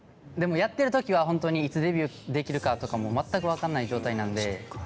でもやってる時はホントにいつデビューできるかとかも全く分かんない状態なんで。